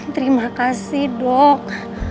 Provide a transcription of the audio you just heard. terima kasih dok